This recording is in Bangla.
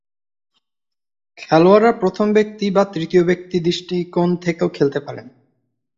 খেলোয়াড়রা প্রথম ব্যক্তি বা তৃতীয় ব্যক্তি দৃষ্টিকোণ থেকেও খেলতে পারেন।